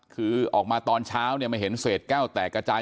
คือออกมาตอนเช้าเนี่ยมาเห็นเศษแก้วแตกกระจาย